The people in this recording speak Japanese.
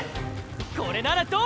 これならどう？